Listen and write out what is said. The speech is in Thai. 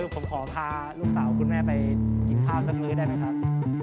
ผมขอพาลูกสาวคุณแม่ไปกินข้าวสักมื้อได้ไหมครับ